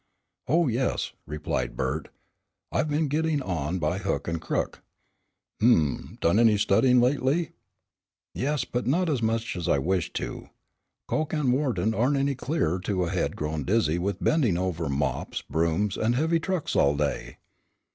"Oh, yes," replied Bert, "I have been getting on by hook and crook." "Hum, done any studying lately?" "Yes, but not as much as I wish to. Coke and Wharton aren't any clearer to a head grown dizzy with bending over mops, brooms and heavy trucks all day."